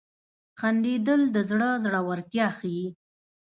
• خندېدل د زړه زړورتیا ښيي.